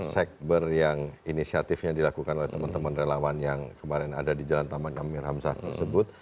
sekber yang inisiatifnya dilakukan oleh teman teman relawan yang kemarin ada di jalan taman amir hamzah tersebut